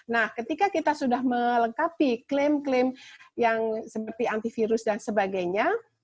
nah ketika kita sudah melengkapi klaim klaim yang seperti antivirus dan sebagainya